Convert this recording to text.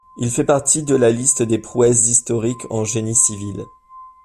Il fait partie de la liste des prouesses historiques en génie civil.